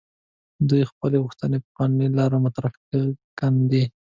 دوی خپلې غوښتنې په قانوني لارو مطرح کاندي.